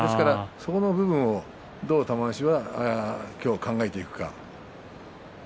そこの部分をどう玉鷲が今日、考えていくか。